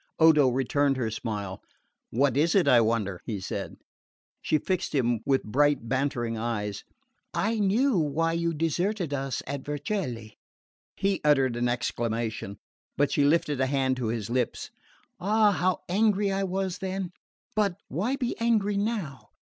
Odo returned her smile. "What is it, I wonder?" he said. She fixed him with bright bantering eyes. "I knew why you deserted us at Vercelli." He uttered an exclamation, but she lifted a hand to his lips. "Ah, how angry I was then but why be angry now?